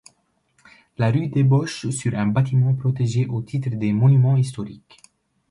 La rue débouche sur un bâtiment protégé au titre des monuments historiques.